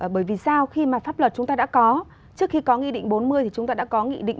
bởi vì sao khi mà pháp luật chúng ta đã có trước khi có nghị định bốn mươi thì chúng ta đã có nghị định bốn mươi hai